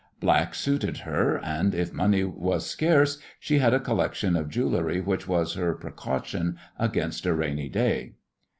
Black suited her, and if money was scarce she had a collection of jewellery which was her precaution against a "rainy day."